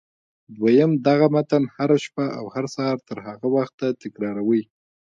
دويم دغه متن هره شپه او هر سهار تر هغه وخته تکراروئ.